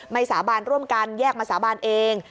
สาบานร่วมกันแยกมาสาบานเอง